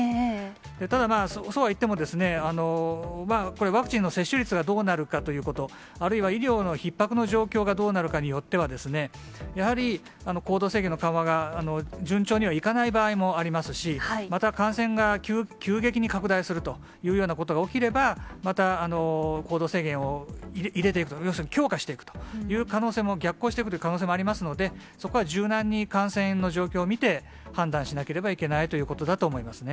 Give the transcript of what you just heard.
ただ、そうはいっても、これ、ワクチンの接種率がどうなるかということ、あるいは医療のひっ迫の状況がどうなるかによってはですね、やはり行動制限の緩和が順調にはいかない場合もありますし、また、感染が急激に拡大するというようなことが起きれば、また行動制限を入れていくと、要するに強化していくという可能性も、逆行していくという可能性もありますので、そこは柔軟に感染の状況を見て、判断しなければいけないということだと思いますね。